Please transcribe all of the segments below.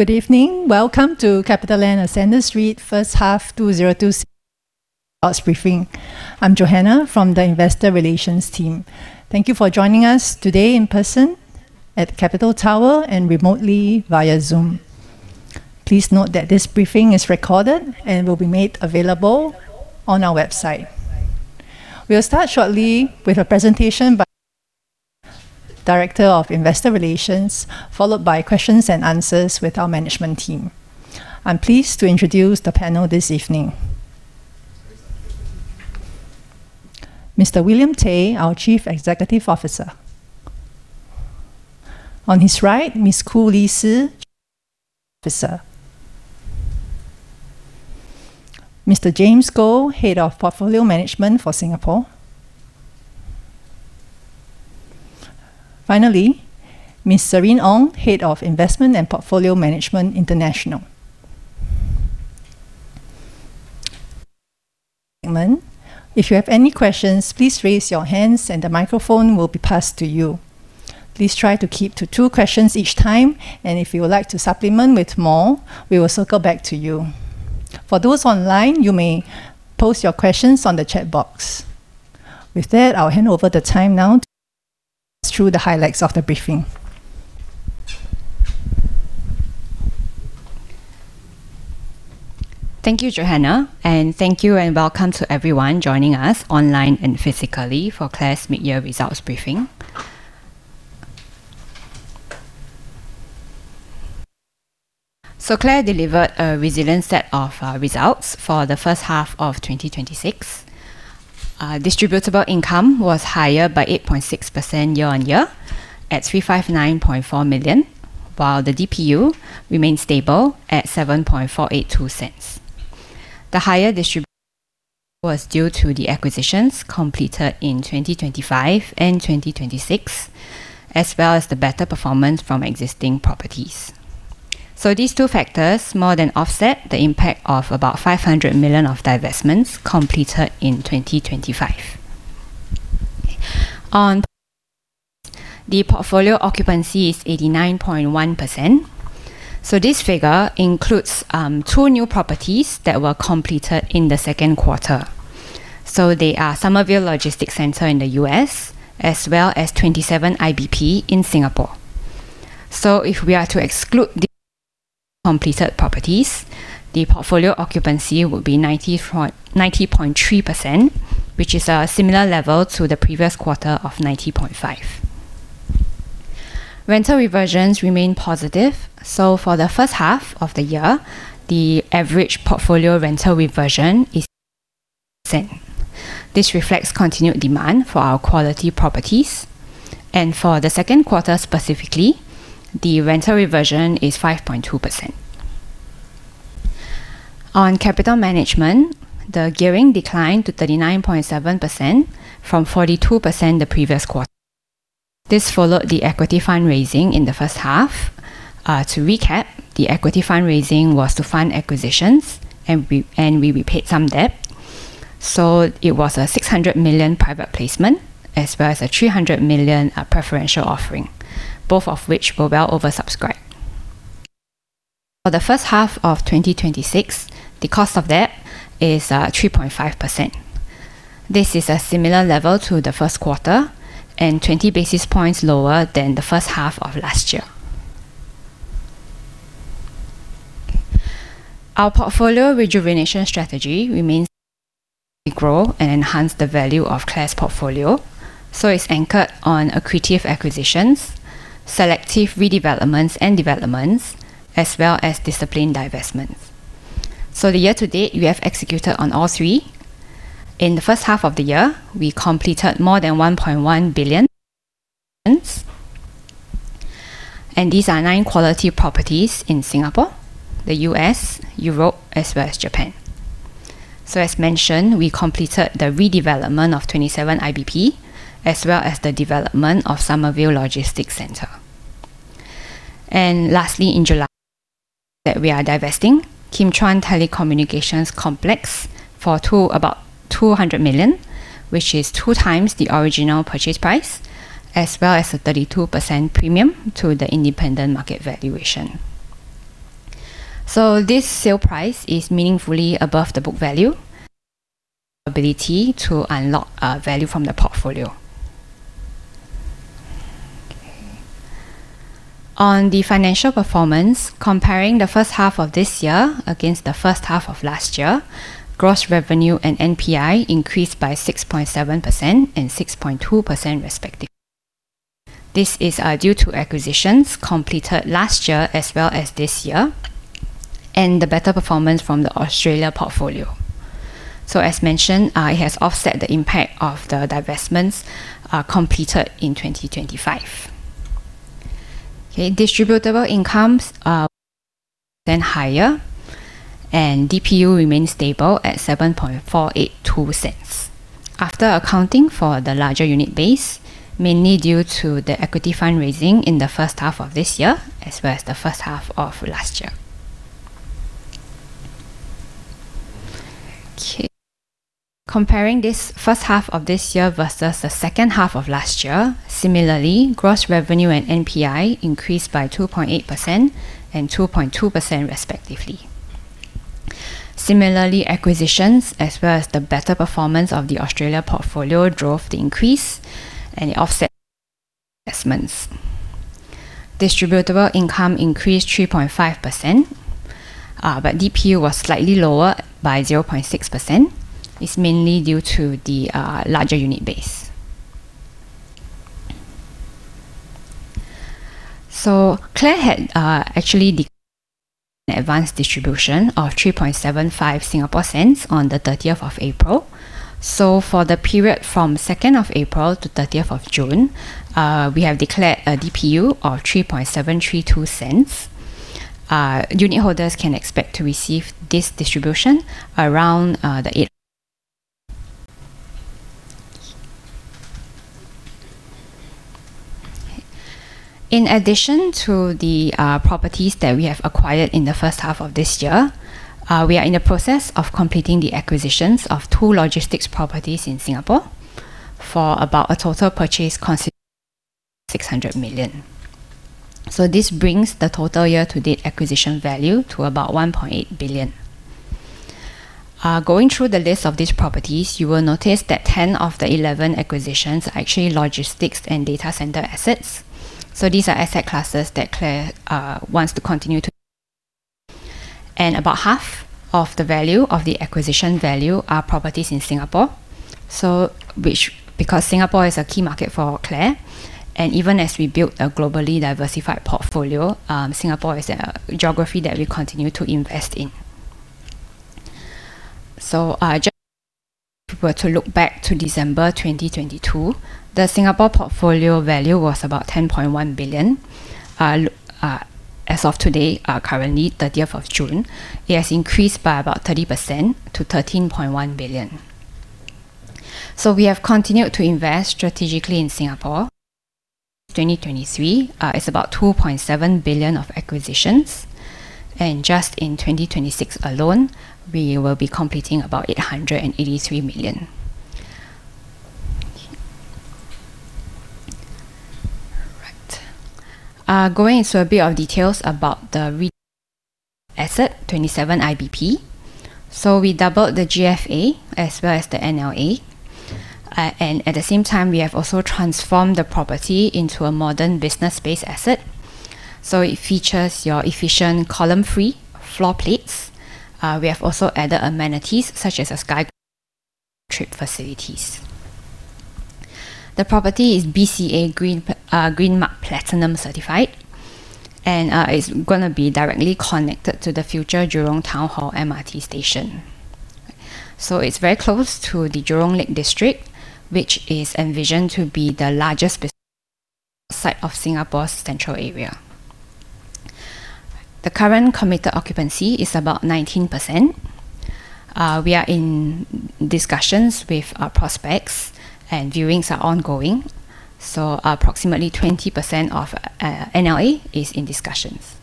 Good evening. Welcome to CapitaLand Ascendas REIT First Half 2026 Results Briefing. I'm Johanna from the Investor Relations Team. Thank you for joining us today in person at Capital Tower and remotely via Zoom. Please note that this briefing is recorded and will be made available on our website. We will start shortly with a presentation by Director of Investor Relations, followed by questions and answers with our management team. I'm pleased to introduce the panel this evening. Mr. William Tay, our Chief Executive Officer. On his right, Ms. Koo Lee Sze, Chief Financial Officer. Mr. James Goh, Head of Portfolio Management for Singapore. Finally, Ms. Serene Ong, Head of Investment and Portfolio Management International. If you have any questions, please raise your hands and the microphone will be passed to you. Please try to keep to two questions each time, if you would like to supplement with more, we will circle back to you. For those online, you may post your questions on the chat box. With that, I will hand over the time now through the highlights of the briefing. Thank you, Johanna, and thank you, and welcome to everyone joining us online and physically for CLAR's mid-year results briefing. CLAR delivered a resilient set of results for the first half of 2026. Distributable Income was higher by 8.6% year-on-year at 359.4 million, while the DPU remained stable at 0.07482. The higher distribution was due to the acquisitions completed in 2025 and 2026, as well as the better performance from existing properties. These two factors more than offset the impact of about 500 million of divestments completed in 2025. On the Portfolio Occupancy is 89.1%. This figure includes two new properties that were completed in the second quarter. They are Summerville Logistics Center in the U.S. as well as 27 IBP in Singapore. If we are to exclude completed properties, the Portfolio Occupancy will be 90.3%, which is a similar level to the previous quarter of 90.5%. Rental Reversions remain positive. For the first half of the year, the average Portfolio Rental Reversion is 8.5%. This reflects continued demand for our quality properties. For the second quarter, specifically, the Rental Reversion is 5.2%. On capital management, the gearing declined to 39.7% from 42% the previous quarter. This followed the equity fundraising in the first half. To recap, the equity fundraising was to fund acquisitions and we repaid some debt. It was a 600 million private placement as well as a 300 million preferential offering, both of which were well oversubscribed. For the first half of 2026, the Cost of Debt is 3.5%. This is a similar level to the first quarter and 20 basis points lower than the first half of last year. Our Portfolio Rejuvenation strategy remains grow and enhance the value of CLAR's portfolio. It's anchored on accretive acquisitions, selective redevelopments and developments, as well as disciplined divestments. The year-to-date, we have executed on all three. In the first half of the year, we completed more than 1.1 billion, and these are nine quality properties in Singapore, the U.S., Europe as well as Japan. As mentioned, we completed the redevelopment of 27 IBP as well as the development of Summerville Logistics Center. Lastly, in July that we are divesting Kim Chuan Telecommunications Complex for about 200 million, which is 2x the original purchase price, as well as a 32% premium to the independent market valuation. This sale price is meaningfully above the book value. Ability to unlock value from the portfolio. On the financial performance, comparing the first half of this year against the first half of last year, gross revenue and NPI increased by 6.7% and 6.2% respectively. This is due to acquisitions completed last year as well as this year, and the better performance from the Australia portfolio. As mentioned, it has offset the impact of the divestments completed in 2025. Higher and DPU remains stable at 0.07482 after accounting for the larger unit base, mainly due to the equity fundraising in the first half of this year as well as the first half of last year. Comparing this first half of this year versus the second half of last year, similarly, gross revenue and NPI increased by 2.8% and 2.2%, respectively. Acquisitions, as well as the better performance of the Australia portfolio, drove the increase and it offset investments. Distributable Income increased 3.5%, DPU was slightly lower by 0.6%. It's mainly due to the larger unit base. CLAR had actually declared an advanced distribution of 0.0375 on the 30th of April. For the period from 2nd of April to 30th of June, we have declared a DPU of 0.03732. Unitholders can expect to receive this distribution around the 8th. In addition to the properties that we have acquired in the first half of this year, we are in the process of completing the acquisitions of two logistics properties in Singapore for about a total purchase consideration of 600 million. This brings the total year-to-date acquisition value to about 1.8 billion. Going through the list of these properties, you will notice that 10 of the 11 acquisitions are actually logistics and data center assets. These are asset classes that CLAR wants to continue to about half of the value of the acquisition value are properties in Singapore. Singapore is a key market for CLAR, and even as we build a globally diversified portfolio, Singapore is a geography that we continue to invest in. Just if we were to look back to December 2022, the Singapore portfolio value was about 10.1 billion. As of today, currently 30th of June, it has increased by about 30% to 13.1 billion. We have continued to invest strategically in Singapore. 2023 is about 2.7 billion of acquisitions, just in 2026 alone, we will be completing about 883 million. All right. Going into a bit of details about the asset 27 IBP. We doubled the GFA as well as the NLA. At the same time, we have also transformed the property into a modern business space asset. It features your efficient column-free floor plates. We have also added amenities such as a sky garden and work trip facilities. The property is BCA Green Mark Platinum certified, and it's going to be directly connected to the future Jurong Town Hall MRT station. It's very close to the Jurong Lake District, which is envisioned to be the largest business site of Singapore's Central Area. The current committed occupancy is about 19%. We are in discussions with our prospects, and viewings are ongoing. Approximately 20% of NLA is in discussions.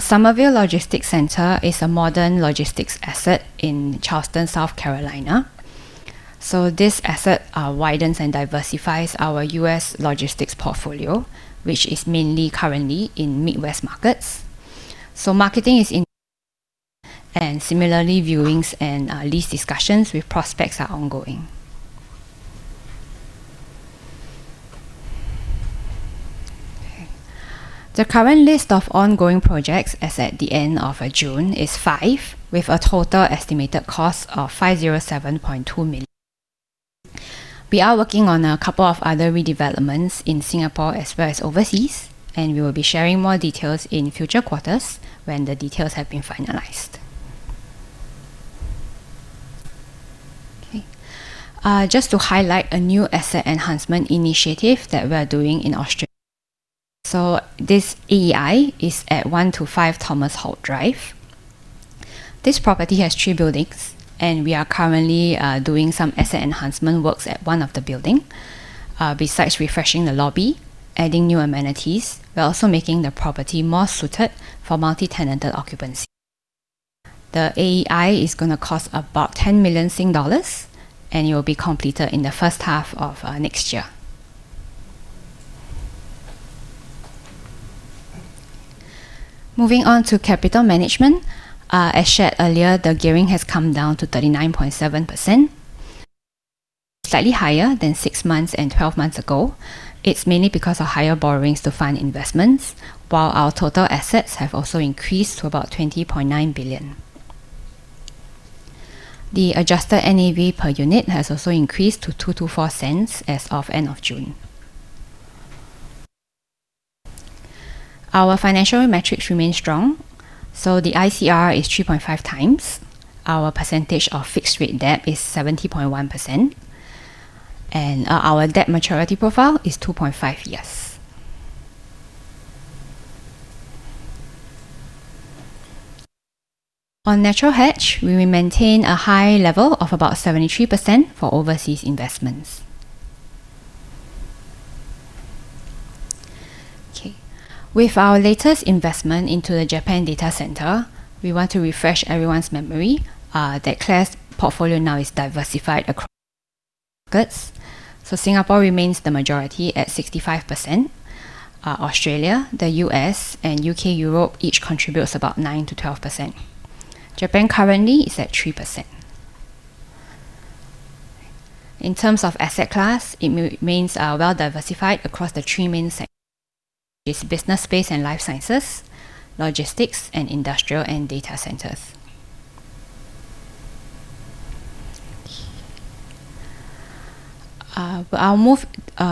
Summerville Logistics Center is a modern logistics asset in Charleston, South Carolina. This asset widens and diversifies our U.S. logistics portfolio, which is mainly currently in Midwest markets. Marketing is in and similarly, viewings and lease discussions with prospects are ongoing. The current list of ongoing projects as at the end of June is five, with a total estimated cost of 507.2 million. We are working on a couple of other redevelopments in Singapore as well as overseas, and we will be sharing more details in future quarters when the details have been finalized. Just to highlight a new asset enhancement initiative that we are doing in Australia. This AEI is at 1-5 Thomas Holt Drive. This property has three buildings, and we are currently doing some asset enhancement works at one of the building. Besides refreshing the lobby, adding new amenities, we are also making the property more suited for multi-tenanted occupancy. The AEI is going to cost about 10 million Sing dollars, and it will be completed in the first half of next year. Moving on to capital management. As shared earlier, the gearing has come down to 39.7%, slightly higher than six months and 12 months ago. It's mainly because of higher borrowings to fund investments, while our total assets have also increased to about 20.9 billion. The adjusted NAV per unit has also increased to 2.24 as of end of June. Our financial metrics remain strong, the ICR is 3.5x. Our percentage of fixed rate debt is 70.1%, and our debt maturity profile is 2.5 years. On natural hedge, we will maintain a high level of about 73% for overseas investments. With our latest investment into the Japan data center, we want to refresh everyone's memory that CLAR's portfolio now is diversified across markets. Singapore remains the majority at 65%. Australia, the U.S., and U.K., Europe each contributes about 9%-12%. Japan currently is at 3%. In terms of asset class, it remains well diversified across the three main sectors, which is business space and life sciences, logistics, and industrial and data centers. I'll move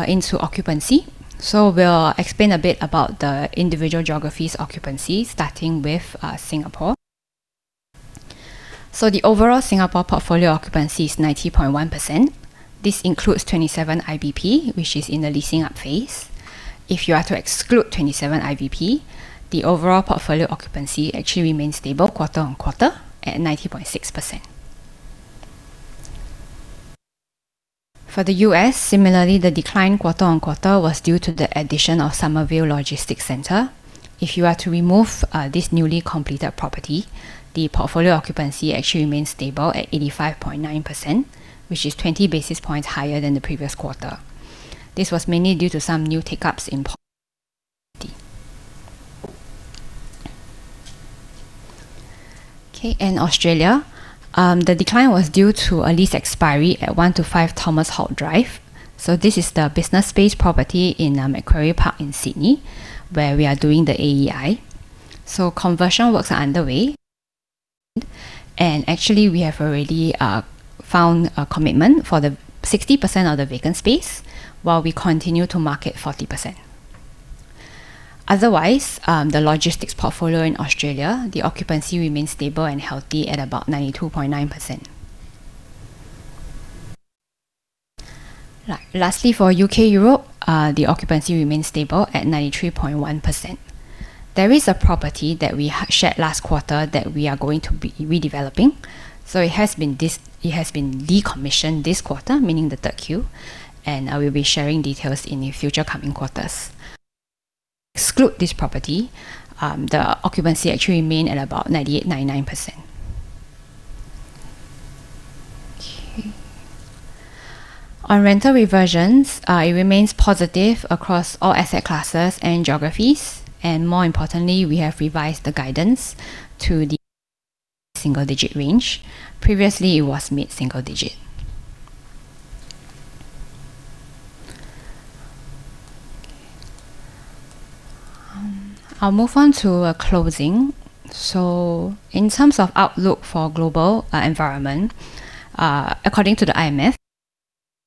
into occupancy. We'll explain a bit about the individual geographies occupancy, starting with Singapore. The overall Singapore portfolio occupancy is 90.1%. This includes 27 IBP, which is in the leasing-up phase. If you are to exclude 27 IBP, the overall portfolio occupancy actually remains stable quarter-on-quarter at 90.6%. For the U.S., similarly, the decline quarter-on-quarter was due to the addition of Summerville Logistics Center. If you are to remove this newly completed property, the portfolio occupancy actually remains stable at 85.9%, which is 20 basis points higher than the previous quarter. This was mainly due to some new take-ups in. In Australia, the decline was due to a lease expiry at 1-5 Thomas Holt Drive. This is the business space property in Macquarie Park in Sydney where we are doing the AEI. Conversion works are underway, and actually we have already found a commitment for the 60% of the vacant space while we continue to market 40%. Otherwise, the logistics portfolio in Australia, the occupancy remains stable and healthy at about 92.9%. Lastly, for U.K., Europe, the occupancy remains stable at 93.1%. There is a property that we shared last quarter that we are going to be redeveloping. It has been decommissioned this quarter, meaning the third quarter, and I will be sharing details in the future coming quarters. Exclude this property, the occupancy actually remain at about 98%-99%. On Rental Reversions, it remains positive across all asset classes and geographies, and more importantly, we have revised the guidance to the single digit range. Previously, it was mid-single digit. I will move on to closing. In terms of outlook for global environment, according to the IMF,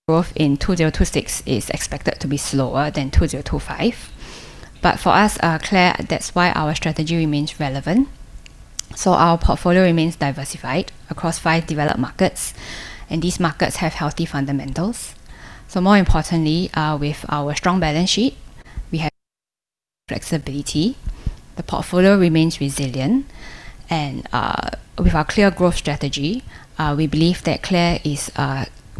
growth in 2026 is expected to be slower than 2025. For us at CLAR, that is why our strategy remains relevant. Our portfolio remains diversified across five developed markets, and these markets have healthy fundamentals. More importantly, with our strong balance sheet, we have flexibility. The portfolio remains resilient, and with our CLAR growth strategy, we believe that CLAR is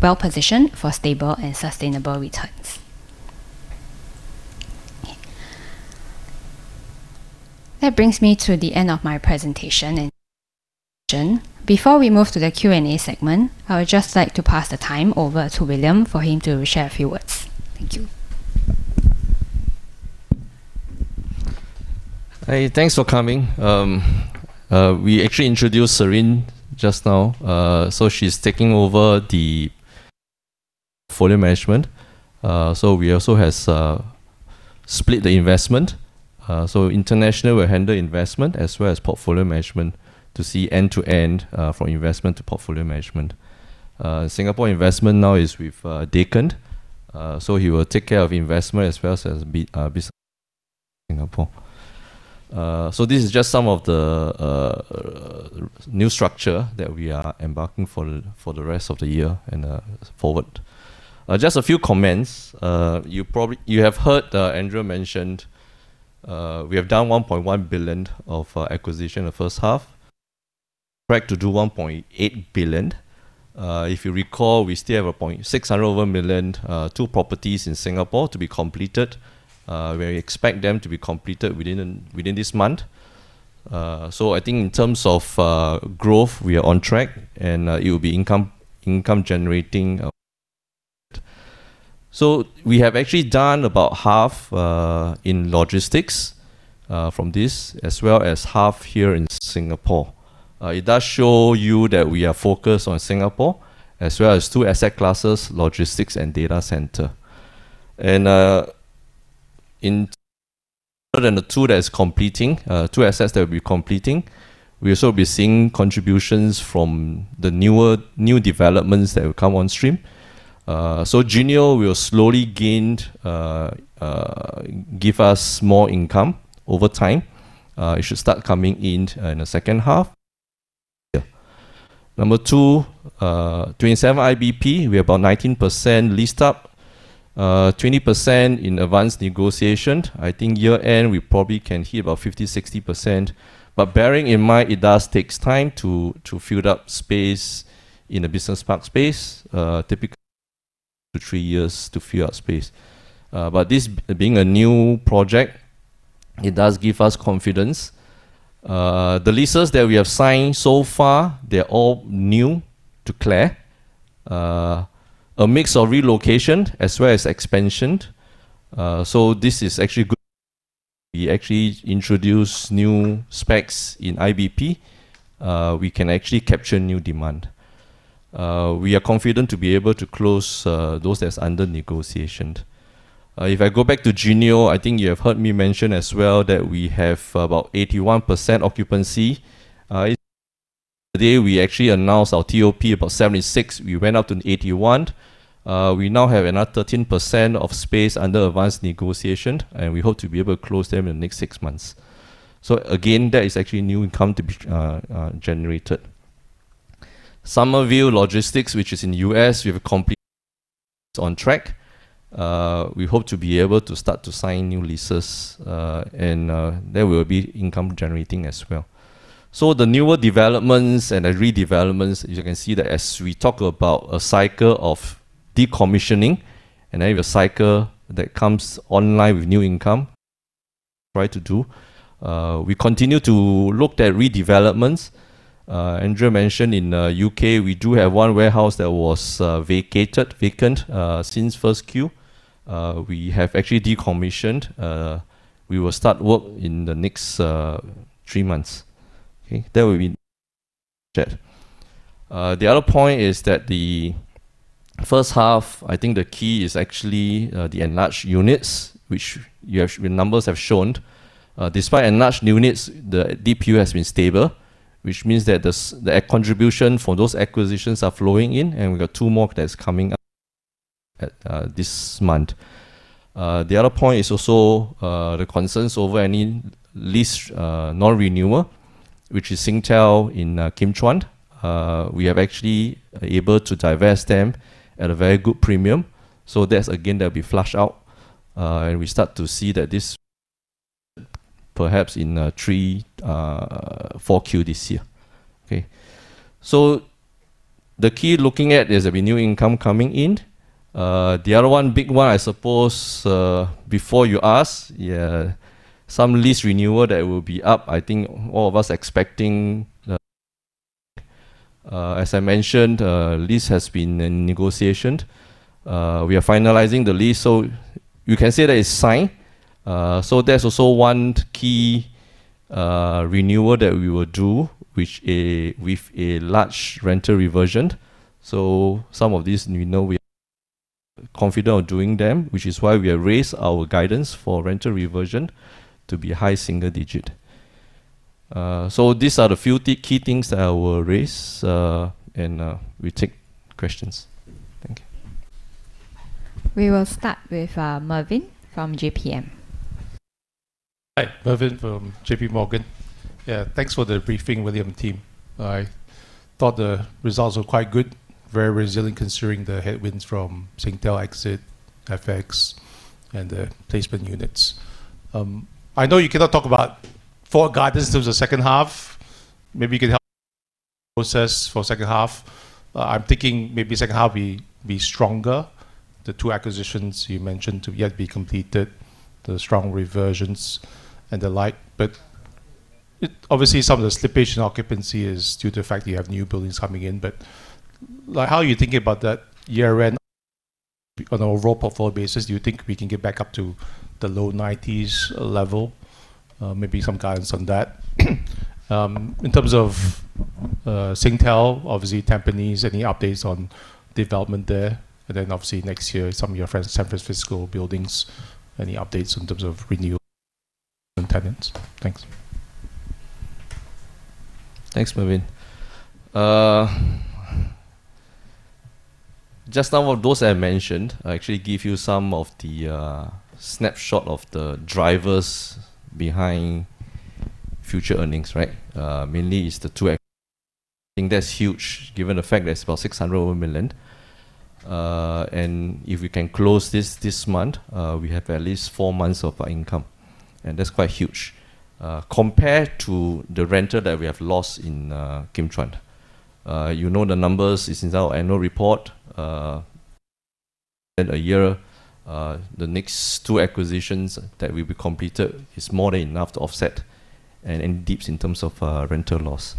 well-positioned for stable and sustainable returns. That brings me to the end of my presentation. Before we move to the Q&A segment, I would just like to pass the time over to William for him to share a few words. Thank you. Hey, thanks for coming. We actually introduced Serene just now. She is taking over the portfolio management. We also have split the investment. International will handle investment as well as portfolio management to see end to end from investment to portfolio management. Singapore investment now is with Dacon. He will take care of investment as well as business Singapore. This is just some of the new structure that we are embarking for the rest of the year and forward. Just a few comments. You have heard Andrea mentioned, we have done 1.1 billion of acquisition the first half. On track to do 1.8 billion. If you recall, we still have 600 million, two properties in Singapore to be completed. We expect them to be completed within this month. I think in terms of growth, we are on track and it will be income generating. We have actually done about half in logistics from this, as well as half here in Singapore. It does show you that we are focused on Singapore as well as two asset classes, logistics and data center. Other than the two assets that will be completing, we also be seeing contributions from the new developments that will come on stream. Geneo will slowly give us more income over time. It should start coming in the second half. Number two, 27 IBP, we are about 19% leased up, 20% in advanced negotiation. I think year end, we probably can hit about 50%-60%. Bearing in mind it does take time to fill up space in a business park space. Typical two to three years to fill up space. This being a new project, it does give us confidence. The leases that we have signed so far, they're all new to CLAR. A mix of relocation as well as expansion. This is actually good. We actually introduce new specs in IBP. We can actually capture new demand. We are confident to be able to close those that's under negotiation. If I go back to Geneo, I think you have heard me mention as well that we have about 81% occupancy. The day we actually announced our TOB about 76%, we went up to 81%. We now have another 13% of space under advanced negotiation, and we hope to be able to close them in the next six months. Again, that is actually new income to be generated. Summerville Logistics, which is in the U.S., is on track. We hope to be able to start to sign new leases, there will be income generating as well. The newer developments and the redevelopments, as you can see that as we talk about a cycle of decommissioning and have a cycle that comes online with new income. We continue to look at redevelopments. Andrea mentioned in U.K., we do have one warehouse that was vacant since first quarter. We have actually decommissioned. We will start work in the next three months. Okay. The other point is that the first half, I think the key is actually the enlarged units, which the numbers have shown. Despite enlarged units, the DPU has been stable, which means that the contribution from those acquisitions are flowing in, and we've got two more that is coming up this month. The other point is also the concerns over any lease non-renewal, which is Singtel in Kim Chuan. We are actually able to divest them at a very good premium. That's again, that'll be flushed out, and we start to see that this perhaps in three, four quarter this year. Okay. The key looking at is the renewing income coming in. The other one, big one, I suppose, before you ask, some lease renewal that will be up. As I mentioned, lease has been in negotiation. We are finalizing the lease. You can say that it's signed. There's also one key renewal that we will do with a large rental reversion. Some of these we know we are confident of doing them, which is why we have raised our guidance for rental reversion to be high-single digit. These are the few key things that I will raise, and we take questions. Thank you. We will start with [Mervin] from JPMorgan. Hi, [Mervin] from JPMorgan. Yeah, thanks for the briefing, William team. I thought the results were quite good, very resilient considering the headwinds from Singtel exit, FX, and the placement units. I know you cannot talk about forward guidance in terms of second half. Maybe you could help us process for second half. I'm thinking maybe second half will be stronger. The two acquisitions you mentioned to yet be completed, the strong reversions and the like. Obviously some of the slippage in occupancy is due to the fact that you have new buildings coming in. How are you thinking about that year end on an overall portfolio basis? Do you think we can get back up to the low 90s level? Maybe some guidance on that. In terms of Singtel, obviously Tampines, any updates on development there? Obviously next year, some of your friends at San Francisco buildings, any updates in terms of renewals and tenants? Thanks. Thanks, Mervyn. Just now what those I mentioned, I actually give you some of the snapshot of the drivers behind future earnings. Mainly it's the two. I think that's huge given the fact that it's about 600 million. If we can close this this month, we have at least four months of income. That's quite huge. Compared to the renter that we have lost in Kim Chuan. You know the numbers, it's in our annual report. A year, the next two acquisitions that will be completed is more than enough to offset any dips in terms of rental loss.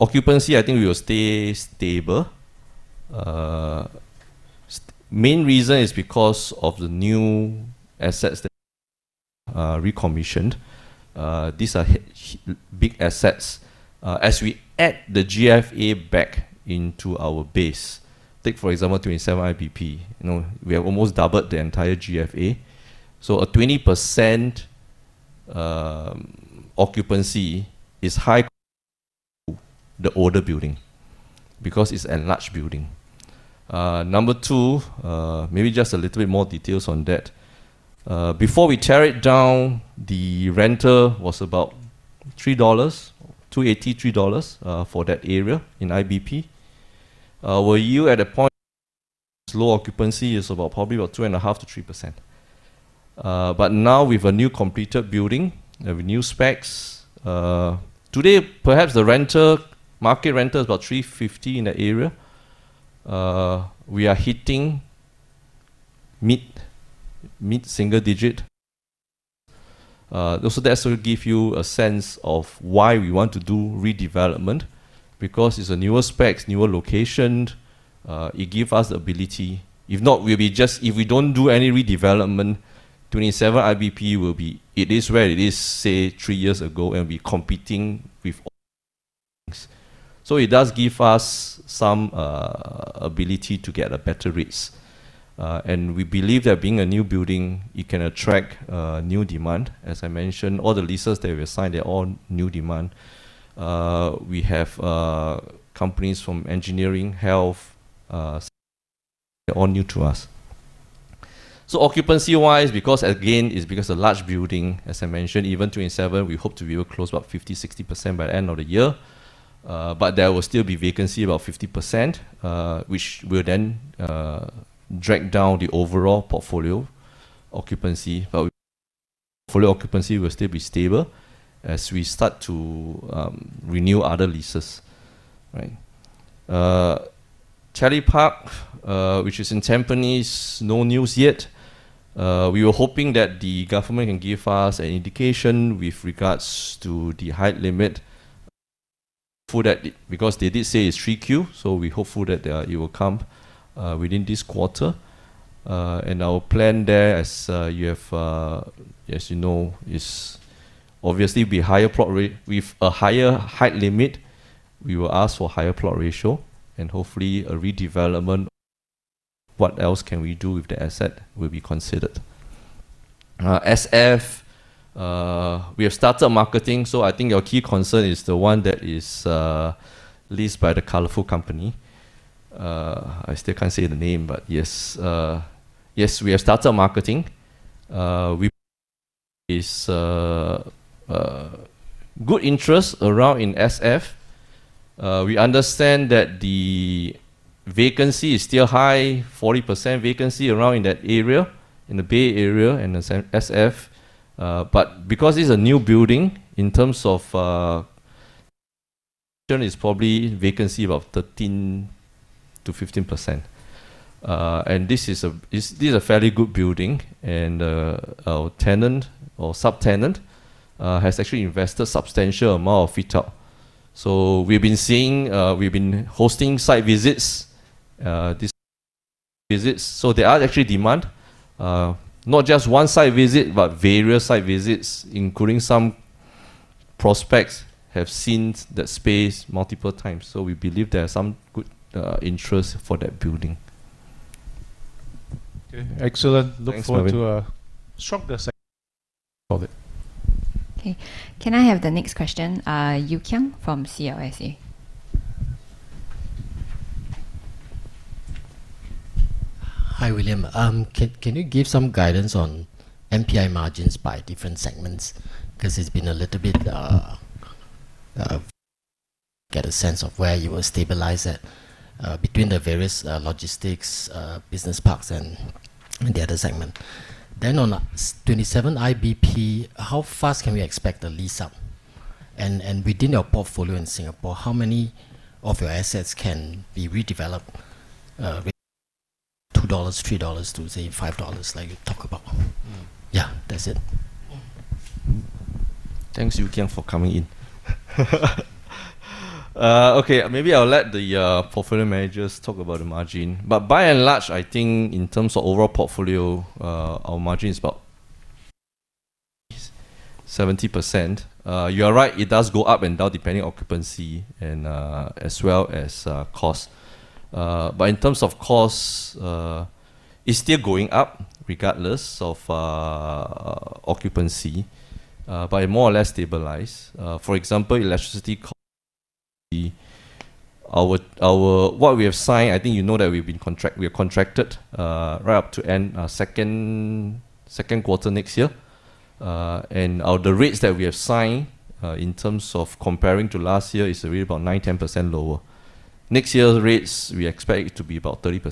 Occupancy, I think we will stay stable. Main reason is because of the new assets that are recommissioned. These are big assets. As we add the GFA back into our base, take for example, 27 IBP. We have almost doubled the entire GFA. A 20% occupancy is high compared to the older building because it's enlarged building. Number two, maybe just a little bit more details on that. Before we tear it down, the renter was about 2.80-3 dollars for that area in IBP. Were you at a point where its low occupancy is about probably about 2.5%-3%? Now with a new completed building, we have new specs. Today, perhaps the market rent is about 3.50 in that area. We are hitting mid-single digit. That should give you a sense of why we want to do redevelopment, because it's a newer spec, newer location. It gives us ability. If we don't do any redevelopment, 27 IBP, it is where it is, say, three years ago, and we're competing with. It does give us some ability to get better rates. We believe that being a new building, it can attract new demand. As I mentioned, all the leases that we assigned are all new demand. We have companies from engineering, health, they're all new to us. Occupancy-wise, again, it's because a large building, as I mentioned, even 27, we hope to be able to close about 50%, 60% by end of the year. There will still be vacancy about 50%, which will then drag down the overall portfolio occupancy. Portfolio occupancy will still be stable as we start to renew other leases. [Changi Park], which is in Tampines, no news yet. We were hoping that the government can give us an indication with regards to the height limit. They did say it's 3Q, we're hopeful that it will come within this quarter. Our plan there as you know, is obviously with a higher height limit, we will ask for higher plot ratio and hopefully a redevelopment. What else can we do if the asset will be considered? SF, we have started marketing, I think your key concern is the one that is leased by the colorful company. I still can't say the name, yes. Yes, we have started marketing. There is good interest around in SF. We understand that the vacancy is still high, 40% vacancy around in that area, in the Bay Area and SF. Because it's a new building in terms of is probably vacancy of 13%-15%. This is a fairly good building, and our tenant or subtenant has actually invested substantial amount of fit-out. We've been hosting site visits. These visits, there are actually demand. Not just one site visit, but various site visits, including some prospects have seen that space multiple times. We believe there are some good interest for that building. Okay, excellent. Thanks, Mervin. Look forward to a stronger second half of it. Okay. Can I have the next question? [Yew Kiang] from CLSA. Hi, William. Can you give some guidance on NPI margins by different segments? Because it's been a little bit get a sense of where you will stabilize it between the various logistics business parks and the other segment. On 27 IBP, how fast can we expect the lease up? Within your portfolio in Singapore, how many of your assets can be redeveloped, 2 dollars, 3 dollars to, say, 5 dollars, like you talk about? Yeah, that's it. Thanks, [Yew Kiang], for coming in. Maybe I'll let the portfolio managers talk about the margin. By and large, I think in terms of overall portfolio, our margin is about 70%. You are right, it does go up and down depending on occupancy and as well as cost. In terms of cost, it's still going up regardless of occupancy, but it more or less stabilize. For example, electricity. What we have signed, I think you know that we are contracted right up to end second quarter next year. The rates that we have signed in terms of comparing to last year is really about 9%-10% lower. Next year's rates, we expect it to be about 30%.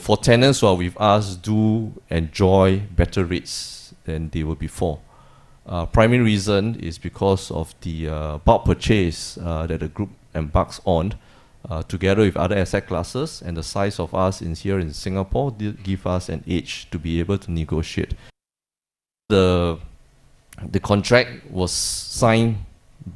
For tenants who are with us do enjoy better rates than they were before. Primary reason is because of the bulk purchase that the group embarks on together with other asset classes, the size of us here in Singapore give us an edge to be able to negotiate. The contract was signed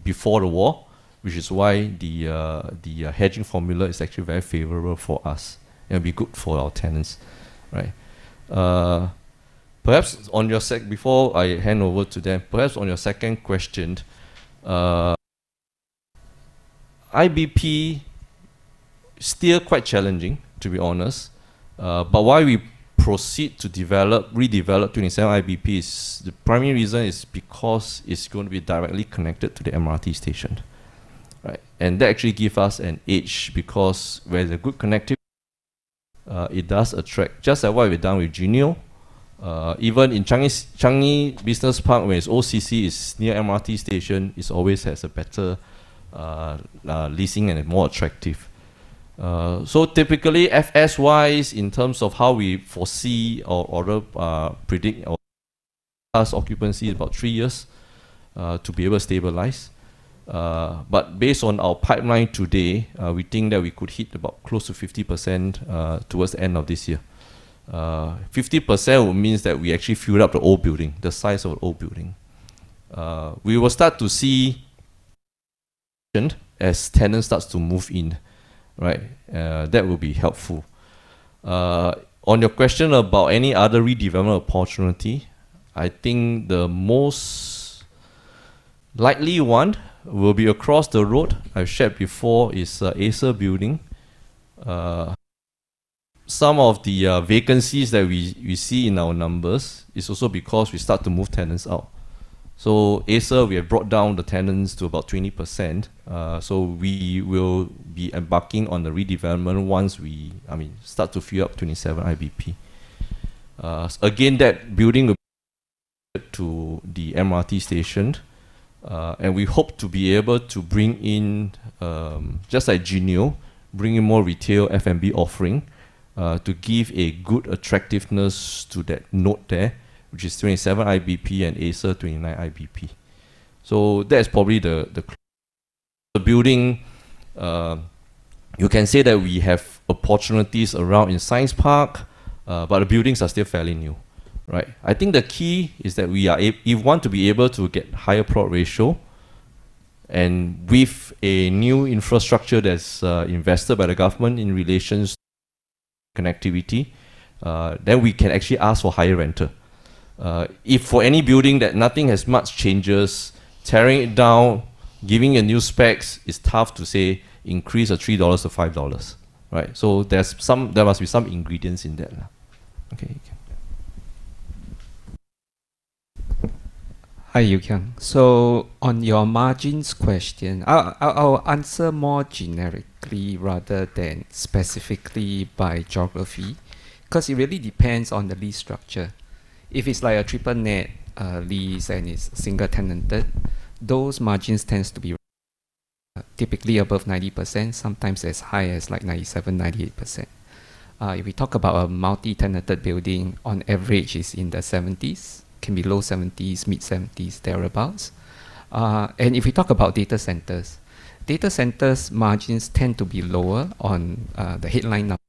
before the war, which is why the hedging formula is actually very favorable for us and be good for our tenants. Before I hand over to them, perhaps on your second question. IBP, still quite challenging, to be honest. Why we proceed to redevelop 27 IBP, the primary reason is because it's going to be directly connected to the MRT station. That actually give us an edge because where there's a good connectivity, it does attract. Just like what we've done with Geneo. Even in Changi Business Park, where it's OCC, it's near MRT station, it always has a better leasing and more attractive. Typically, FS-wise, in terms of how we foresee or predict our occupancy is about three years to be able to stabilize. Based on our pipeline today, we think that we could hit about close to 50% towards the end of this year. 50% means that we actually filled up the old building, the size of the old building. We will start to see as tenants start to move in. That will be helpful. On your question about any other redevelopment opportunity, I think the most likely one will be across the road. I've shared before is ESA building. Some of the vacancies that we see in our numbers is also because we start to move tenants out. ESA, we have brought down the tenants to about 20%. We will be embarking on the redevelopment once we start to fill up 27 IBP. Again, that building to the MRT station. We hope to be able to bring in, just like Geneo, bring in more retail F&B offering to give a good attractiveness to that node there, which is 27 IBP and ESA 29 IBP. That is probably the building. You can say that we have opportunities around in Science Park, but the buildings are still fairly new. I think the key is that if we want to be able to get higher plot ratio, with a new infrastructure that's invested by the Government in relation to connectivity then we can actually ask for higher rental. If for any building that nothing has much changes, tearing it down, giving it new specs, it's tough to say increase a 3-5 dollars. There must be some ingredients in there. Okay, you can. Hi, [Yew Kiang]. On your margins question, I'll answer more generically rather than specifically by geography, because it really depends on the lease structure. If it's like a Triple-Net Lease and it's single-tenanted, those margins tends to be typically above 90%, sometimes as high as like 97%-98%. If we talk about a multi-tenanted building, on average is in the 70s, can be low 70s, mid-70s, thereabouts. If we talk about data centers. Data centers margins tend to be lower on the headline number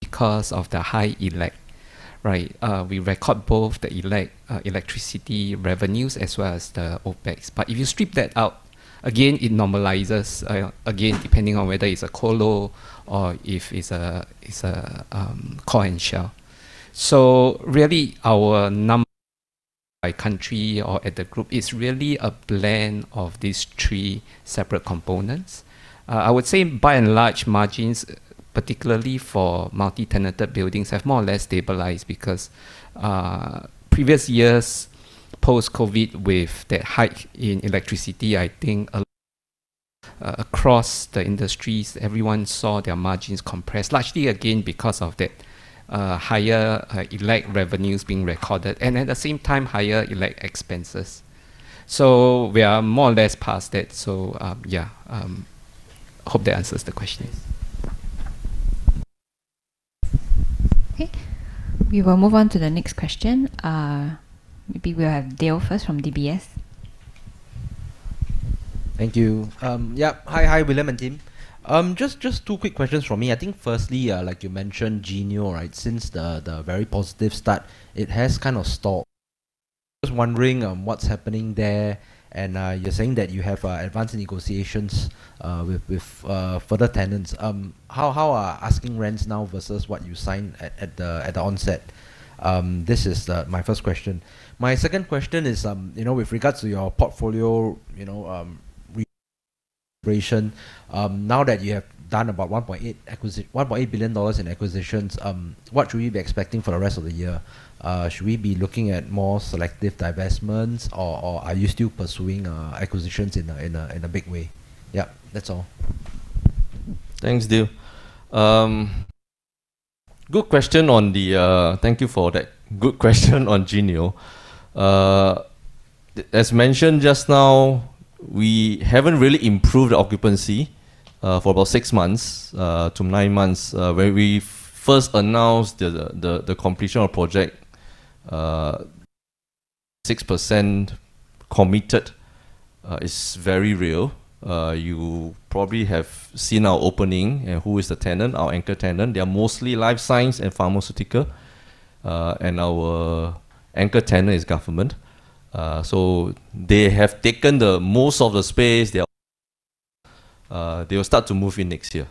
because of the high electricity. We record both the electricity revenues as well as the OpEx. If you strip that out, again, it normalizes, again, depending on whether it's a colocation or if it's a core and shell. Really our number by country or at the group is really a blend of these three separate components. I would say by and large, margins, particularly for multi-tenanted buildings, have more or less stabilized because previous years, post-COVID, with that hike in electricity, I think across the industries, everyone saw their margins compressed, largely again because of that higher elect revenues being recorded, and at the same time, higher elect expenses. We are more or less past that. Hope that answers the question. We will move on to the next question. Maybe we'll have [Dale] first from DBS. Thank you. Hi, William and team. Just two quick questions from me. I think firstly, like you mentioned, Geneo. Since the very positive start, it has kind of stalled. Just wondering what's happening there. You're saying that you have advanced negotiations with further tenants. How are asking rents now versus what you signed at the onset? This is my first question. My second question is with regards to your portfolio reoperation. Now that you have done about 1.8 billion dollars in acquisitions, what should we be expecting for the rest of the year? Should we be looking at more selective divestments, or are you still pursuing acquisitions in a big way? That's all. Thanks, [Dale]. Thank you for that good question on Geneo. As mentioned just now, we haven't really improved the occupancy for about six months to nine months, where we first announced the completion of project. 6% committed is very real. You probably have seen our opening and who is the tenant, our anchor tenant. They are mostly life science and pharmaceutical. Our anchor tenant is Government. They have taken the most of the space. They will start to move in next year.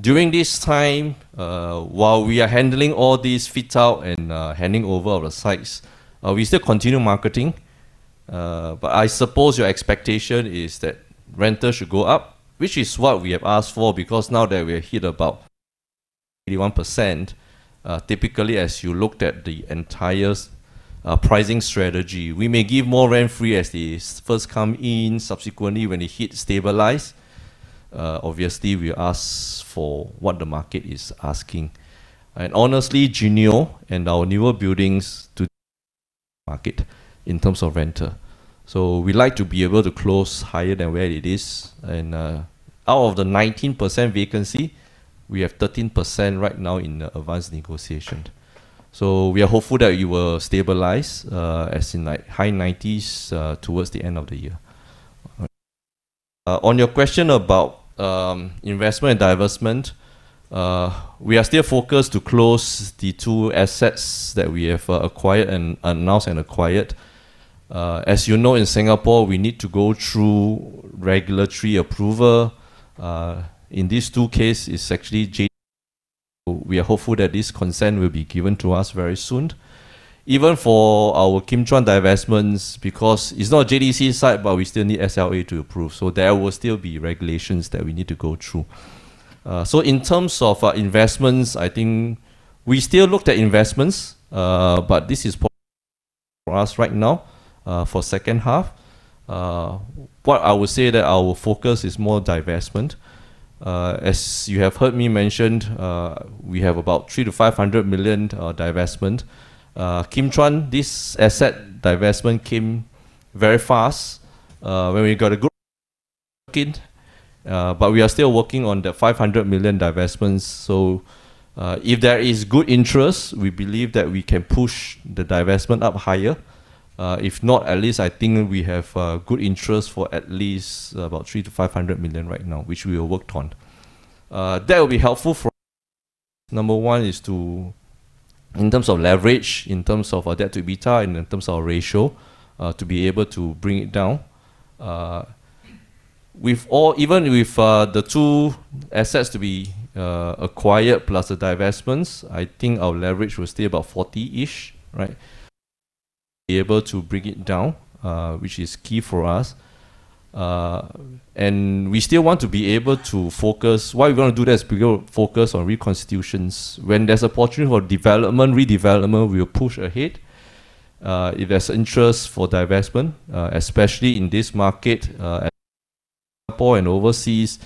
During this time, while we are handling all these fit-out and handing over of the sites, we still continue marketing. I suppose your expectation is that rental should go up, which is what we have asked for, because now that we have hit about 81%, typically, as you looked at the entire pricing strategy, we may give more rent-free as they first come in. Subsequently, when it hits stabilize, obviously we ask for what the market is asking. Honestly, Geneo and our newer buildings to market in terms of rental. We like to be able to close higher than where it is. Out of the 19% vacancy, we have 13% right now in advanced negotiation. We are hopeful that it will stabilize, as in high 90s towards the end of the year. On your question about investment and divestment, we are still focused to close the two assets that we have announced and acquired. As you know, in Singapore, we need to go through regulatory approval. In these two cases, it's actually JTC. We are hopeful that this consent will be given to us very soon. Even for our Kim Chuan divestments, it's not a JTC site, we still need SLA to approve. There will still be regulations that we need to go through. In terms of investments, I think we still looked at investments, this is important for us right now, for second half. What I would say that our focus is more divestment. As you have heard me mention, we have about 300 million-500 million divestment. Kim Chuan, this asset divestment came very fast. When we got a good market, we are still working on the 500 million divestments. If there is good interest, we believe that we can push the divestment up higher. If not, at least I think we have good interest for at least about 300 million-500 million right now, which we have worked on. That will be helpful for us. Number one is in terms of leverage, in terms of our debt to EBITDA, and in terms of our ratio, to be able to bring it down. Even with the two assets to be acquired plus the divestments, I think our leverage will stay about 40-ish. Right? Be able to bring it down, which is key for us. We still want to be able to focus. Why we want to do that is because focus on reconstitutions. When there's an opportunity for development, redevelopment, we'll push ahead. If there's interest for divestment, especially in this market at Singapore and overseas.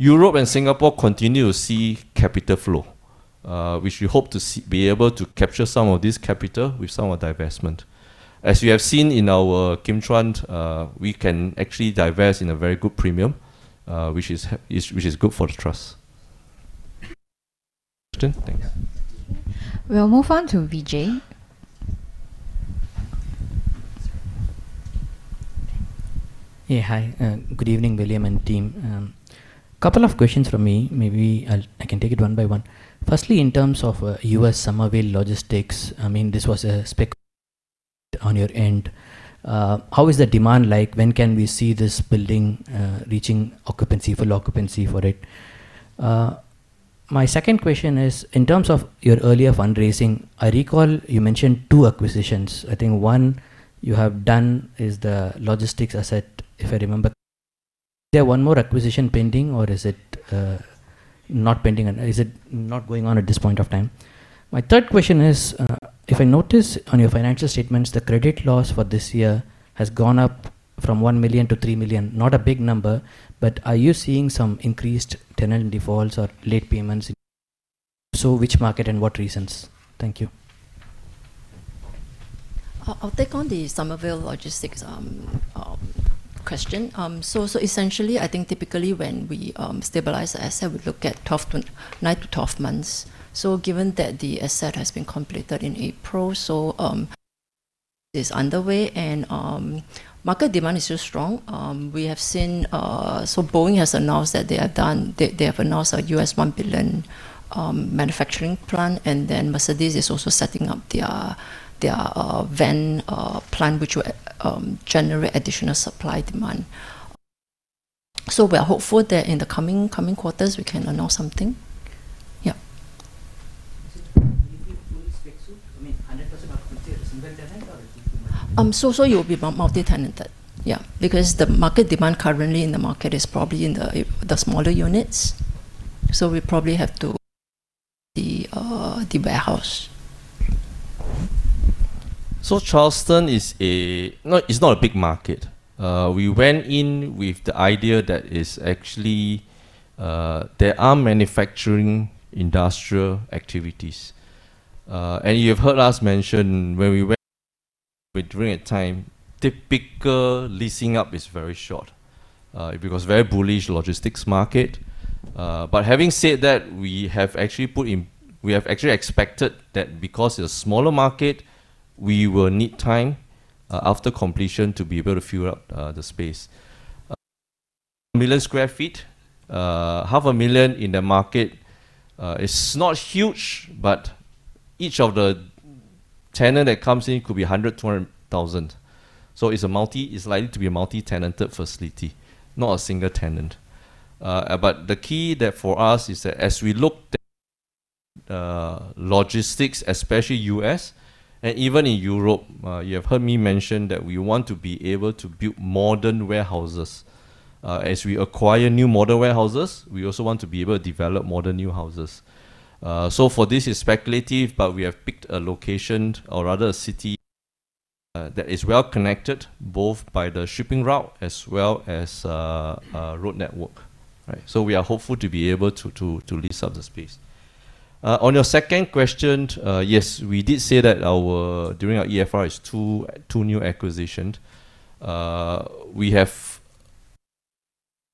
Europe and Singapore continue to see capital flow, which we hope to be able to capture some of this capital with some of the divestment. As you have seen in our Kim Chuan, we can actually divest in a very good premium, which is good for the trust. Thanks. We'll move on to [Vijay]. Hi. Good evening, William and team. Couple of questions from me. Maybe I can take it one by one. Firstly, in terms of U.S. Summerville Logistics, this was a spec on your end. How is the demand like? When can we see this building reaching full occupancy for it? My second question is in terms of your earlier fundraising, I recall you mentioned two acquisitions. I think one you have done is the logistics asset, if I remember correctly. Is there one more acquisition pending, or is it not going on at this point of time? My third question is, if I notice on your financial statements, the credit loss for this year has gone up from 1 million-3 million. Not a big number, but are you seeing some increased tenant defaults or late payments? If so, which market and what reasons? Thank you. I'll take on the Summerville Logistics question. Essentially, I think typically when we stabilize the asset, we look at nine to 12 months. Given that the asset has been completed in April, so it is underway and market demand is still strong. Boeing has announced a U.S. $1 billion manufacturing plant, and then Mercedes-Benz is also setting up their van plant, which will generate additional supply demand. We are hopeful that in the coming quarters, we can announce something. Will it be fully spec suit? I mean 100% occupancy, a single tenant or it will be multi-tenant? It will be multi-tenanted. Because the market demand currently in the market is probably in the smaller units. We probably have to see the warehouse. Charleston is not a big market. We went in with the idea that is actually there are manufacturing industrial activities. You have heard us mention when we went during a time, typical leasing up is very short, because very bullish logistics market. Having said that, we have actually expected that because it is a smaller market, we will need time after completion to be able to fill up the space. 1 million sq ft, half a million in the market is not huge, but each of the tenant that comes in could be 100,000-200,000. It is likely to be a multi-tenanted facility, not a single tenant. The key there for us is that as we look at the logistics, especially U.S. and even in Europe, you have heard me mention that we want to be able to build modern warehouses. As we acquire new modern warehouses, we also want to be able to develop modern new houses. For this, it is speculative, but we have picked a location or rather a city that is well-connected both by the shipping route as well as road network. Right. We are hopeful to be able to lease out the space. On your second question, yes, we did say that during our EFR is two new acquisitions. We have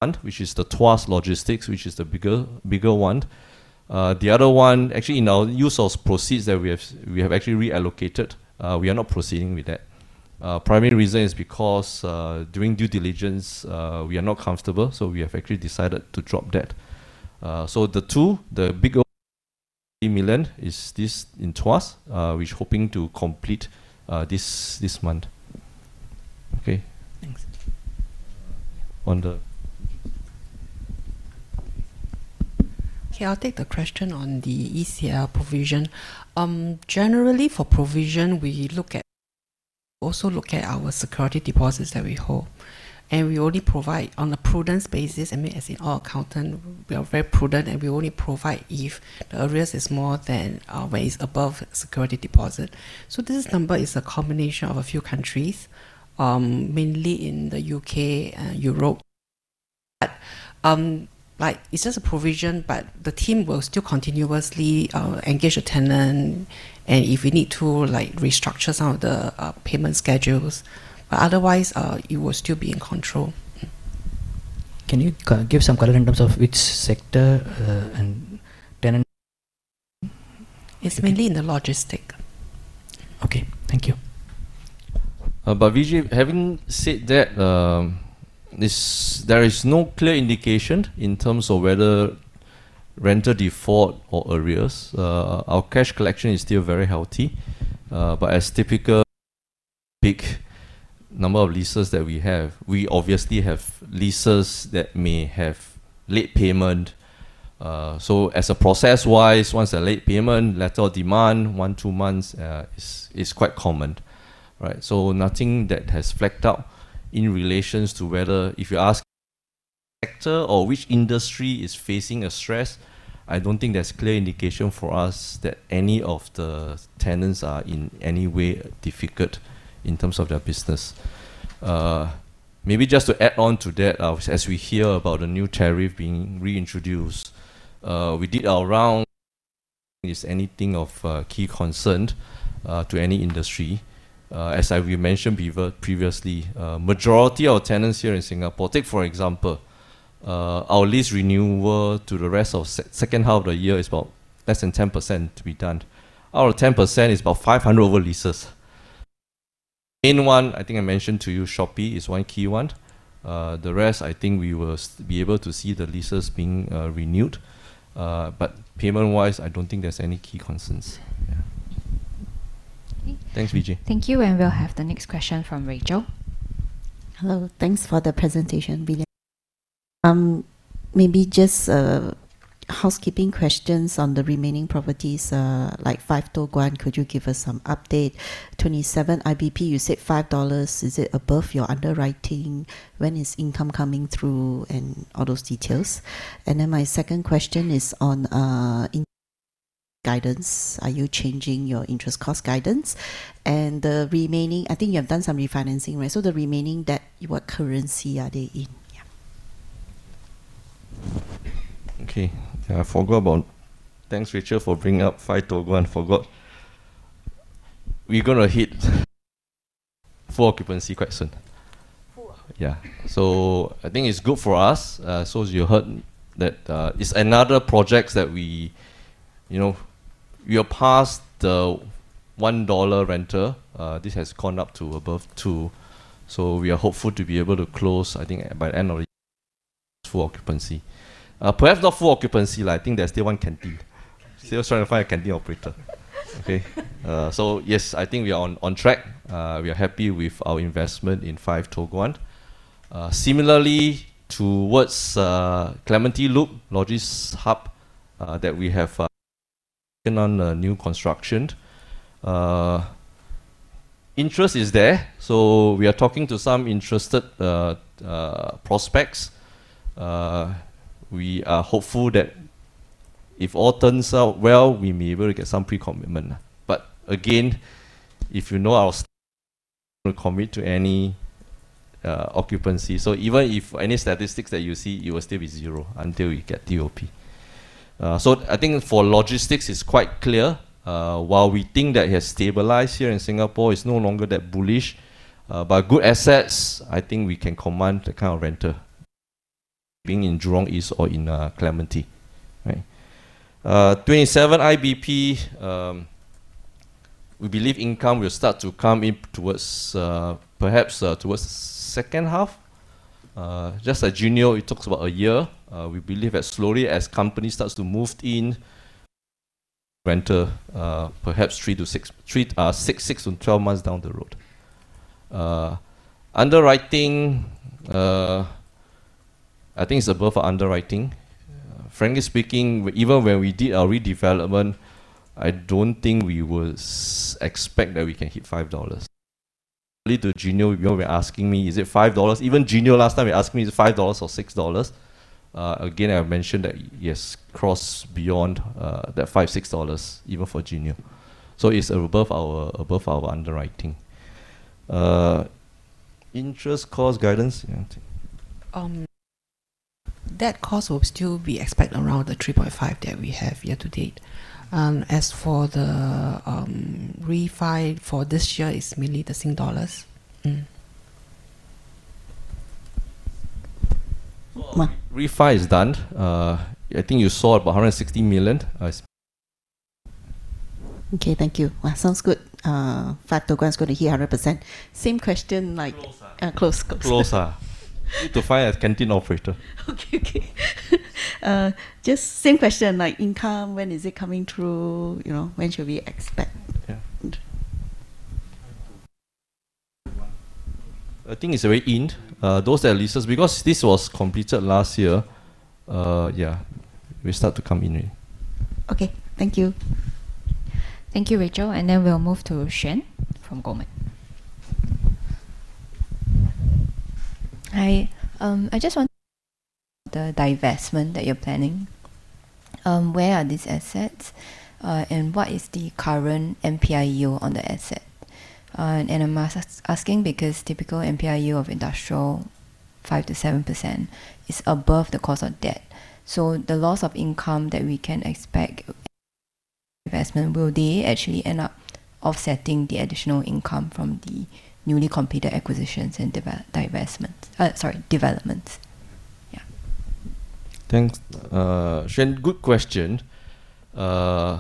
one, which is the Tuas logistics, which is the bigger one. The other one, actually in our use of proceeds that we have actually reallocated, we are not proceeding with that. Primary reason is because during due diligence we are not comfortable, so we have actually decided to drop that. The two, the bigger 133.9 million is this in Tuas, which hoping to complete this month. Okay? Thanks. On the- Okay, I will take the question on the ECL provision. Generally for provision, we also look at our security deposits that we hold, and we only provide on a prudence basis. As in all accountants, we are very prudent, and we only provide if the arrears is above security deposit. This number is a combination of a few countries, mainly in the U.K. and Europe. It is just a provision, but the team will still continuously engage the tenant, and if we need to restructure some of the payment schedules. Otherwise, it will still be in control. Can you give some color in terms of which sector and tenant? It's mainly in the logistics. Okay. Thank you. [Vijay], having said that, there is no clear indication in terms of whether renter default or arrears. Our cash collection is still very healthy. As typical number of leases that we have, we obviously have leases that may have late payment. As a process-wise, once a late payment, letter of demand, one, two months, is quite common. Right? Nothing that has flagged up in relations to whether if you ask or which industry is facing a stress, I don't think there's clear indication for us that any of the tenants are in any way difficult in terms of their business. Maybe just to add on to that, as we hear about the new tariff being reintroduced, we did our round is anything of key concern to any industry. As I mentioned previously, majority of tenants here in Singapore, take for example our lease renewal to the rest of second half of the year is about less than 10% to be done. Out of 10% is about 500 over leases. The main one, I think I mentioned to you, Shopee is one key one. The rest, I think we will be able to see the leases being renewed. Payment-wise, I don't think there's any key concerns. Okay. Thanks, [Vijay]. Thank you. We'll have the next question from [Rachel]. Hello. Thanks for the presentation, William. Maybe just housekeeping questions on the remaining properties like 5 Toh Guan, could you give us some update? 27 IBP, you said SGD 5, is it above your underwriting? When is income coming through and all those details? My second question is on guidance. Are you changing your interest cost guidance? The remaining, I think you have done some refinancing, right? The remaining debt, what currency are they in? Okay. Thanks, [Rachel], for bringing up 5 Toh Guan, forgot. We're going to hit full occupancy quite soon. Yeah. I think it's good for us. As you heard that it's another project that we are past the 1 dollar renter. This has gone up to above 2. We are hopeful to be able to close, I think by the end of full occupancy. Perhaps not full occupancy. I think there's still one canteen. Still trying to find a canteen operator. Okay. Yes, I think we are on track. We are happy with our investment in 5 Toh Guan. Similarly, towards LogisHub @ Clementi, that we have on a new construction. Interest is there. We are talking to some interested prospects. We are hopeful that if all turns out well, we may be able to get some pre-commitment. Again, if you know our commit to any occupancy. Even if any statistics that you see, it will still be zero until we get TOB. I think for logistics, it's quite clear. While we think that it has stabilized here in Singapore, it's no longer that bullish. Good assets, I think we can command the kind of renter being in Jurong East or in Clementi. Right? 27 IBP, we believe income will start to come in perhaps towards second half. Just like Geneo it takes about a year. We believe that slowly as company starts to move in renter perhaps six and 12 months down the road. Underwriting, I think it's above our underwriting. Frankly speaking, even when we did our redevelopment, I don't think we was expect that we can hit 5 dollars. Early to Geneo, you all were asking me, is it 5 dollars? Even Geneo last time you asking me is it 5 dollars or 6 dollars? Again, I mentioned that yes, cross beyond that 5-6 dollars even for Geneo. It's above our underwriting. Interest cost guidance. That cost will still be expected around the 3.5 that we have year-to-date. As for the refi for this year, it is mainly the Singapore dollars. Refi is done. I think you saw about 160 million. Okay. Thank you. Sounds good. 5 Toh Guan is going to hear 100%. Same question like close. Close. Need to find a canteen operator. Okay. Just same question like income, when is it coming through? When should we expect? Yeah. I think it's very end. Those that are leases, because this was completed last year. Yeah, will start to come in already. Okay. Thank you. Thank you, [Rachel]. Then we'll move to [Xuan] from Goldman Sachs. Hi. I just want to know the divestment that you're planning. Where are these assets? What is the current NPI yield on the asset? I'm asking because typical NPI yield of industrial, 5%-7%, is above the cost of debt. The loss of income that we can expect divestment, will they actually end up offsetting the additional income from the newly completed acquisitions and sorry, developments. Yeah. Thanks. [Xuan], good question. The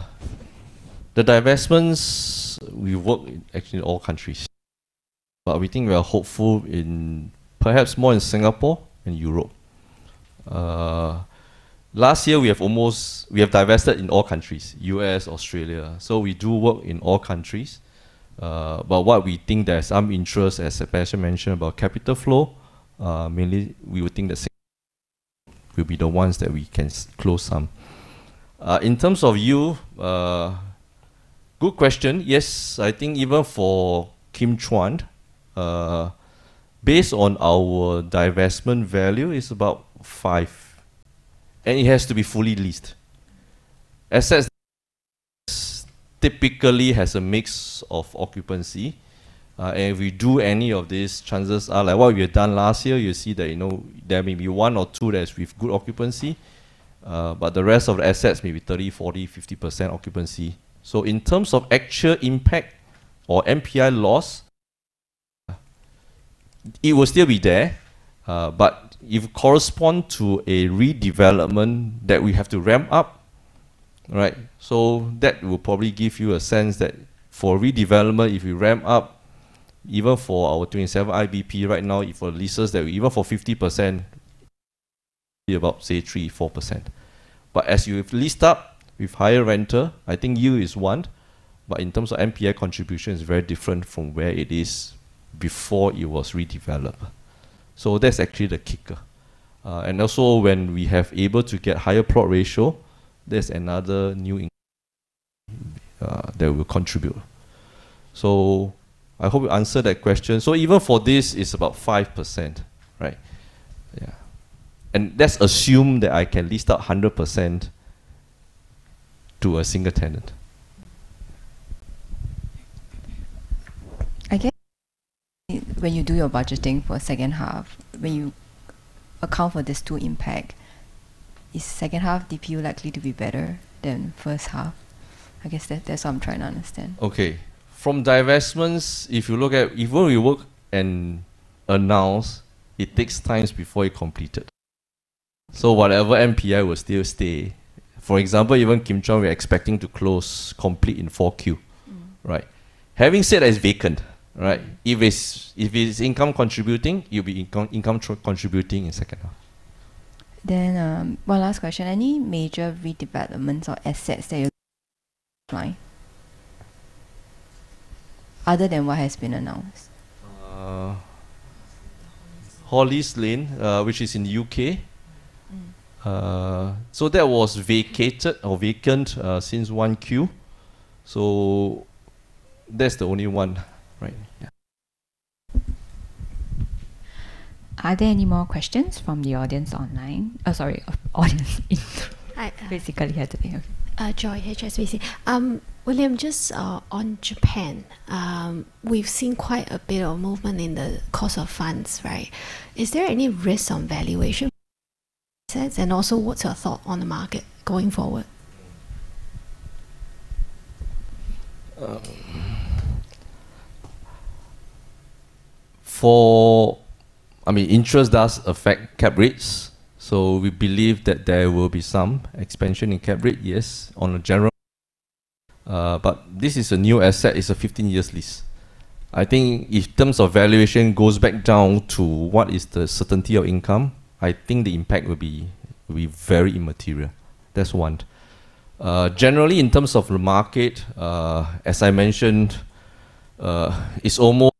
divestments, we work actually in all countries. We think we are hopeful perhaps more in Singapore and Europe. Last year, we have divested in all countries, U.S., Australia. We do work in all countries. What we think there is some interest, as Sebastian mentioned, about capital flow. Mainly we would think the will be the ones that we can close some. In terms of yield, good question. Yes, I think even for Kim Chuan based on our divestment value is about 5% and it has to be fully leased. Assets typically has a mix of occupancy. If we do any of these transactions like what we have done last year, you see that there may be one or two that is with good occupancy. The rest of the assets may be 30%, 40%-50% occupancy. In terms of actual impact or NPI loss, it will still be there. If correspond to a redevelopment that we have to ramp up, that will probably give you a sense that for redevelopment, if we ramp up even for our 27 IBP right now, even for 50% be about, say, 3%-4%. As you've leased up with higher renter, I think yield is one, but in terms of NPI contribution, it's very different from where it is before it was redeveloped. That's actually the kicker. Also when we have able to get higher plot ratio, that's another new that will contribute. I hope we answered that question. Even for this, it's about 5%, right? Yeah. Let's assume that I can lease out 100% to a single tenant. I guess when you do your budgeting for second half, when you account for these two impact, is second half DPU likely to be better than first half? I guess that's what I'm trying to understand. Okay. From divestments, if you look at even we work and announce, it takes time before it completed. Whatever NPI will still stay. For example, even Kim Chuan, we are expecting to close complete in 4Q. Right. Having said that, it's vacant, right? If it's income contributing, it'll be income contributing in second half. One last question. Any major redevelopments or assets that you other than what has been announced? Hawleys Lane which is in U.K. That was vacated or vacant since 1Q. That's the only one, right? Yeah. Are there any more questions from the audience online? Sorry. Audience in the room. Hi. Physically here today. [Joy], HSBC. William, just on Japan. We've seen quite a bit of movement in the cost of funds, right? Is there any risk on valuation sense and also what's your thought on the market going forward? Interest does affect cap rates. We believe that there will be some expansion in cap rate, yes, on a general. This is a new asset, it is a 15-year lease. I think in terms of valuation goes back down to what is the certainty of income. I think the impact will be very immaterial. That is one. Generally, in terms of the market as I mentioned it is almost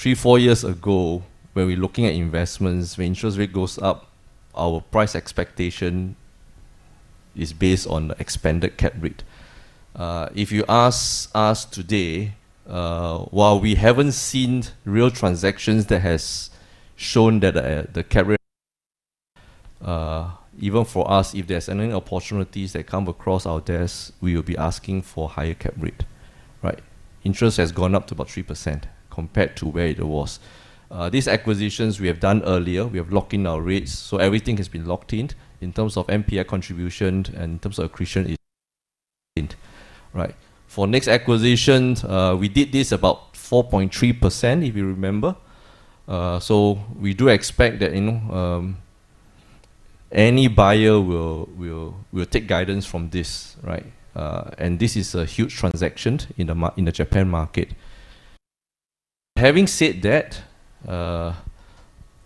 three, four years ago when we are looking at investments, when interest rate goes up, our price expectation is based on the expanded cap rate. If you ask us today, while we have not seen real transactions that has shown that the cap rate even for us, if there is any opportunities that come across our desk, we will be asking for higher cap rate. Interest has gone up to about 3% compared to where it was. These acquisitions we have done earlier, we have locked in our rates. Everything has been locked in terms of NPI contribution and in terms of accretion it is in. For next acquisitions, we did this about 4.3%, if you remember. We do expect that any buyer will take guidance from this. This is a huge transaction in the Japan market. Having said that,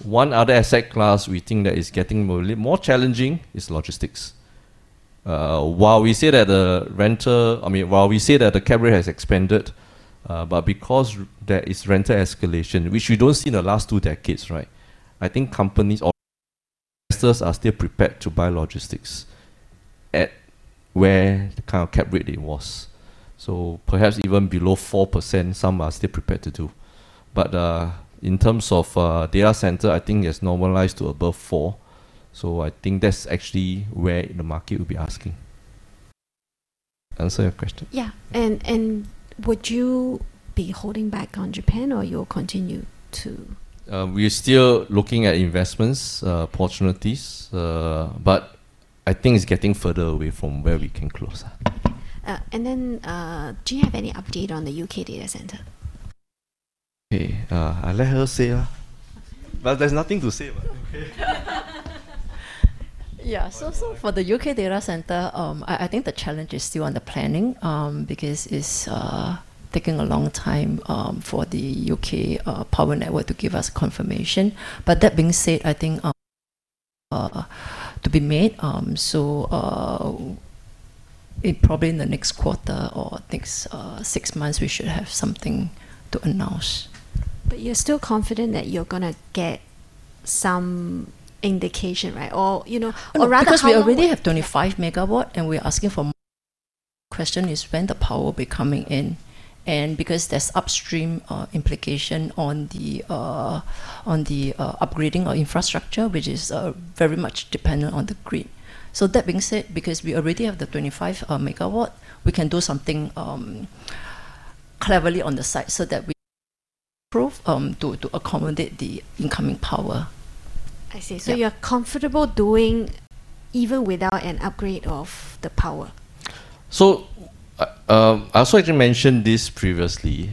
one other asset class we think that is getting more challenging is logistics. While we say that the cap rate has expanded, because there is rental escalation, which we do not see in the last two decades, I think companies or investors are still prepared to buy logistics at where the kind of cap rate it was. Perhaps even below 4%, some are still prepared to do. In terms of data center, I think it is normalized to above four. I think that is actually where the market will be asking. Answer your question? Yeah. Would you be holding back on Japan, or you will continue to? We are still looking at investments opportunities, I think it's getting further away from where we can close. Do you have any update on the U.K. data center? Okay. I'll let her say. There's nothing to say about U.K. For the U.K. data center, I think the challenge is still on the planning, because it's taking a long time for the U.K. Power Networks to give us confirmation. That being said, I think to be made. Probably in the next quarter or next six months, we should have something to announce. You're still confident that you're going to get some indication, or rather how long-? We already have 25 MW and we're asking for more. Question is when the power will be coming in, and because there's upstream implication on the upgrading of infrastructure, which is very much dependent on the grid. That being said, because we already have the 25 MW, we can do something cleverly on the site so that we improve to accommodate the incoming power. I see. You're comfortable doing even without an upgrade of the power? I also actually mentioned this previously.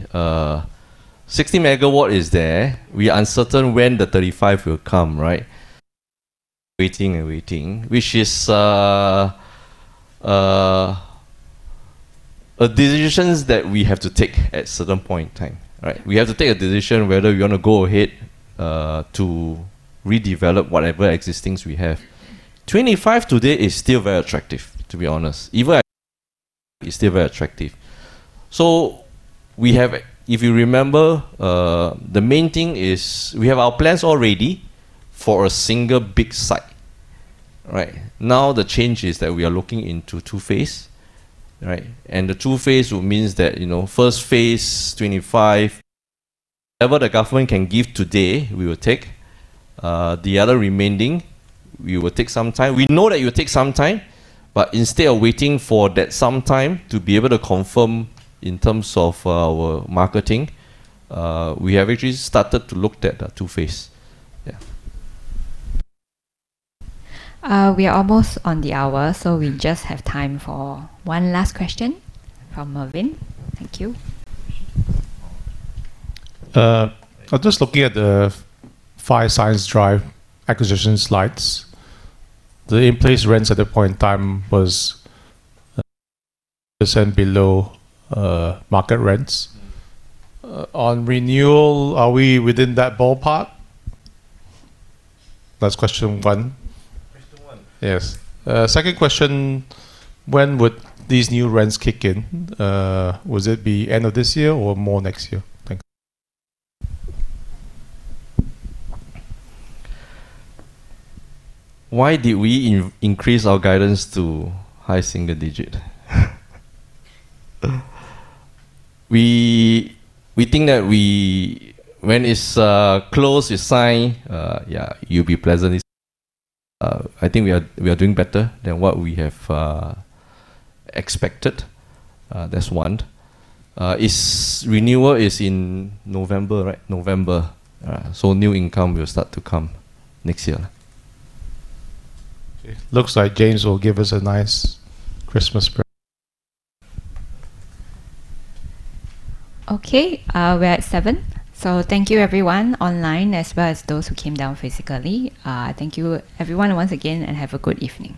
60 MW is there. We are uncertain when the 35 will come. Waiting and waiting, which is a decisions that we have to take at certain point in time. We have to take a decision whether we want to go ahead to redevelop whatever existings we have. 25 today is still very attractive, to be honest. Even is still very attractive. If you remember, the main thing is we have our plans all ready for a single big site. Now the change is that we are looking into two phase. The two phase means that first phase, 25. Whatever the Government can give today, we will take. The other remaining, we will take some time. We know that it will take some time, but instead of waiting for that some time to be able to confirm in terms of our marketing, we have actually started to look at the two phase. We are almost on the hour, we just have time for one last question from [Mervyn]. Thank you. I'm just looking at the 5 Science Park Drive acquisition slides. The in-place rents at that point in time was below market rents. On renewal, are we within that ballpark? That's question one. Yes. Second question, when would these new rents kick in? Would it be end of this year or more next year? Thanks. Why did we increase our guidance to high-single digit? We think that when it's closed, it's signed, I think we are doing better than what we have expected. That's one. Renewal is in November. New income will start to come next year. Okay. Looks like James will give us a nice Christmas. Okay. We're at 7:00 P.M. Thank you everyone online, as well as those who came down physically. Thank you everyone once again, and have a good evening